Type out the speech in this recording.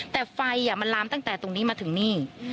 แต่ไฟมันลามตั้งแต่ตรงนี้มาถึงนี่